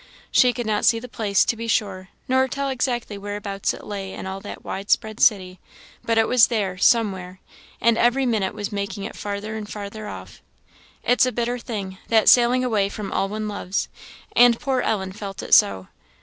She could not see the place, to be sure, nor tell exactly whereabouts it lay in all that wide spread city; but it was there, somewhere and every minute was making it farther and farther off. It's a bitter thing, that sailing away from all one loves; and poor Ellen felt it so.